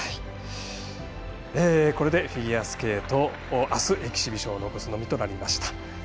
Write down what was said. これでフィギュアスケートあすエキシビジョンを残すのみとなりました。